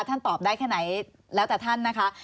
ตอบได้แค่ไหนแล้วแต่ท่านนะคะ